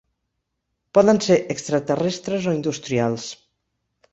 Poden ser extraterrestres o industrials.